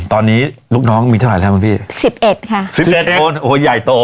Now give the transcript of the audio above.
ตอนนี้ลูกน้องมีเท่าไหร่แล้วคุณพี่สิบเอ็ดค่ะสิบเอ็ดคนโอ้โหใหญ่โต